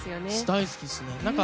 大好きですね。